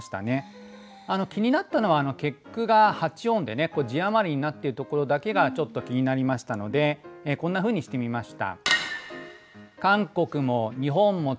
気になったのは結句が八音で字余りになってるところだけがちょっと気になりましたのでこんなふうにしてみました。